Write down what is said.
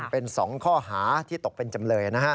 เป็น๒ข้อหาที่ตกเป็นจำเลยนะฮะ